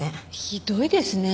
ひどいですね。